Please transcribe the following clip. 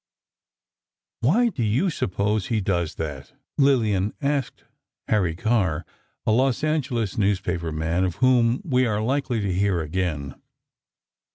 "Why do you suppose he does that?" Lillian asked Harry Carr, a Los Angeles newspaper man, of whom we are likely to hear again.